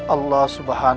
allah subhanahu wa ta'ala